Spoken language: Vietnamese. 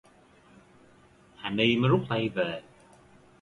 Hà Ni mới rút tay về